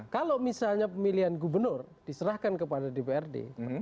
kalau misalnya pemilihan gubernur diserahkan kepada dprd